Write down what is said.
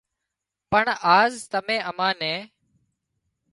پڻ آز تمين امان نين